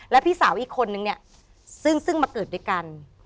แล้วพี่สาวอีกคนนึงเนี่ยซึ่งมาเกิดด้วยกัน